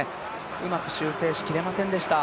うまく修正しきれませんでした。